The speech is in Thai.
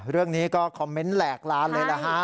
เรื่องนี้ก็คอมเมนต์แหลกลานเลยนะฮะ